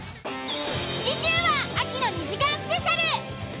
次週は秋の２時間スペシャル。